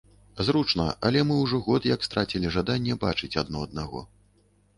Зручна, але мы ўжо год як страцілі жаданне бачыць адно аднаго.